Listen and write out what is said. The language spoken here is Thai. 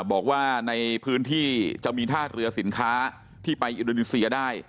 บอกว่าในพื้นที่จะมีท่าเรือสินค้าที่ไปอินโดนีเซียได้